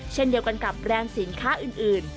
เช่นเดียวกันกับแบรนด์สินค้าอื่น